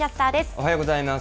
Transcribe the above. おはようございます。